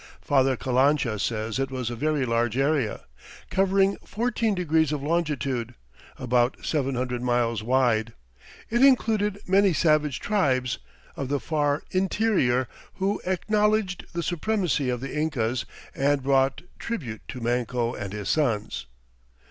Father Calancha says it was a very large area, "covering fourteen degrees of longitude," about seven hundred miles wide. It included many savage tribes "of the far interior" who acknowledged the supremacy of the Incas and brought tribute to Manco and his sons.